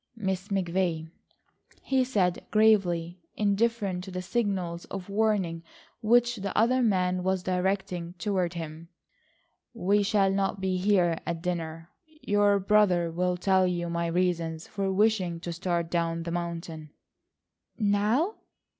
"Miss McVay," he said gravely, indifferent to the signals of warning which the other man was directing toward him; "we shall not be here at dinner. Your brother will tell you my reasons for wishing to start down the mountain." "Now?"